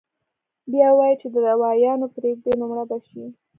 بيا وائي چې دوايانې پرېږدي نو مړه به شي -